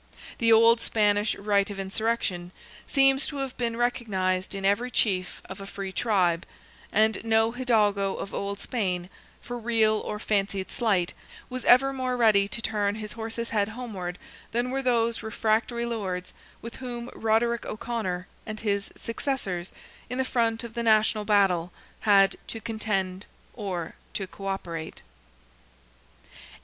The old Spanish "right of insurrection" seems to have been recognized in every chief of a free tribe, and no Hidalgo of old Spain, for real or fancied slight, was ever more ready to turn his horse's head homeward than were those refractory lords, with whom Roderick O'Conor and his successors, in the front of the national battle, had to contend or to co operate.